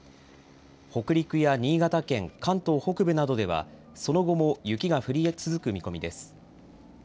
北陸や新潟県、関東北部などではその後も雪が降り続く見込みです。